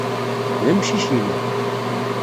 D amcic-inu.